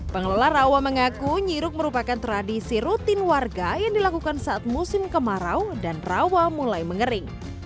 pengelola rawa mengaku nyiruk merupakan tradisi rutin warga yang dilakukan saat musim kemarau dan rawa mulai mengering